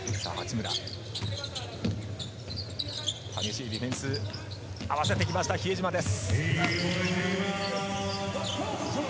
激しいディフェンス、合わせてきました比江島です。